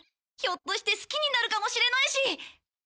ひょっとして好きになるかもしれないし。